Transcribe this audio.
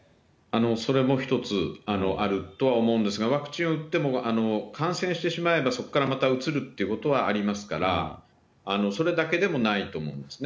それも一つ、あるとは思うんですが、ワクチンを打っても、感染してしまえば、そこからまたうつるということはありますから、それだけでもないと思うんですね。